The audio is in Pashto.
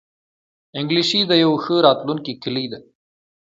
انګلیسي د یوی ښه راتلونکې کلۍ ده